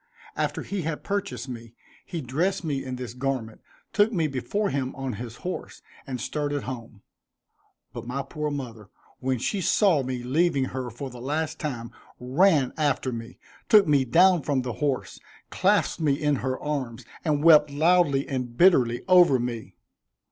After he had purchased me, he dressed me in this garment, took me before him on his horse, and started home; but my poor mother, when she saw me leaving her for the last time, ran after me, took me down from the horse, clasped me in her arms, and wept loudly and bitterly over me.